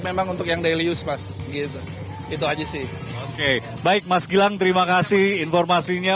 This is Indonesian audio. memang untuk yang daily use mas gitu itu aja sih oke baik mas gilang terima kasih informasinya